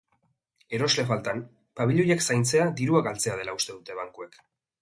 Erosle faltan, pabiloiak zaintzea dirua galdetzea dela uste dute bankuek.